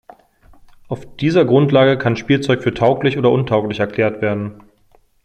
Auf dieser Grundlage kann Spielzeug für tauglich oder untauglich erklärt werden.